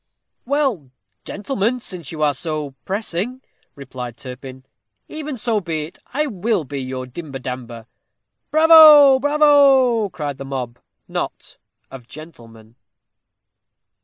"Well, gentlemen, since you are so pressing," replied Turpin, "even so be it. I will be your dimber damber." "Bravo! bravo!" cried the mob, not "of gentlemen."